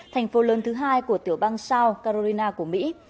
thành phố lớn thứ hai của tiểu bang south carolina của mỹ